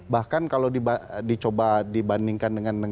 bahkan kalau dicoba dibandingkan dengan